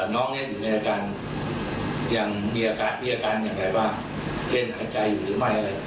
น้องนี้อยู่ในอาการยังมีอาการมีอาการยังไงบ้างเต้นอาจารย์อยู่หรือไม่